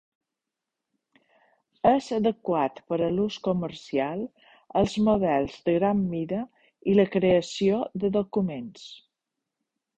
És adequat per a l'ús comercial, els models de gran mida i la creació de documents.